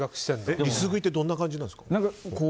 リス食いってどんな感じなんですか？